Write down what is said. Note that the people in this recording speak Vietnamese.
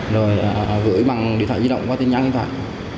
rồi gửi bằng điện thoại di động qua tin nhắn điện thoại